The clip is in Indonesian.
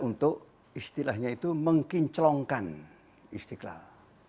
untuk istilahnya itu mengkinclongkan istiqlal